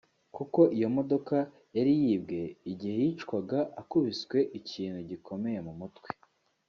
kuko iyo modoka yari yibwe igihe yicwaga akubiswe ikintu gikomeye mu mutwe